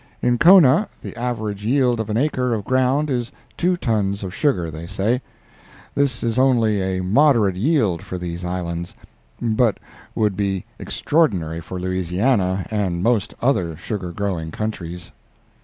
In Kona, the average yield of an acre of ground is two tons of sugar, they say. This is only a moderate yield for these islands, but would be extraordinary for Louisiana and most other sugar growing countries.